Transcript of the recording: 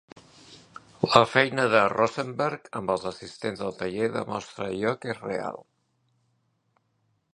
La feina de Rosenberg amb els assistents al taller demostra allò que és real.